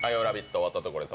終わったところです